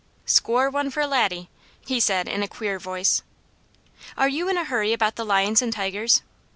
"Score one for Laddie," he said in a queer voice. "Are you in a hurry about the lions and tigers?"